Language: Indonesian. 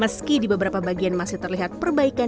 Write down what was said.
meski di beberapa bagian masih terlihat perbaikan